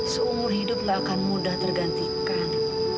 seumur hidup gak akan mudah tergantikan